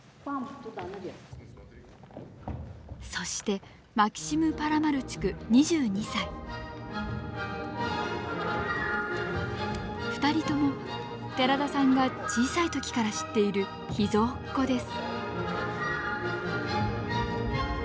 そして２人とも寺田さんが小さいときから知っている秘蔵っ子です。